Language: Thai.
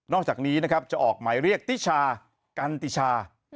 นอกจากนี้จะออกหมายเรียกติชากันติชา